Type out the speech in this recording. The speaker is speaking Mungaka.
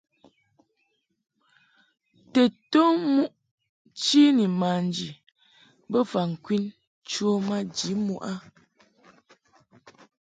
Tedtom muʼ chi ni manji bofa ŋkwin cho maji muʼ a.